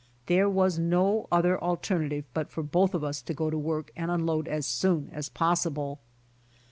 There was no other alternative but for both of us to go to worli and unload as soon as possible.